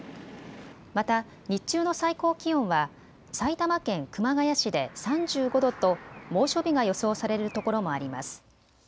また日中の最高気温は埼玉県熊谷市で３５度と猛暑日が予想されるところもあります。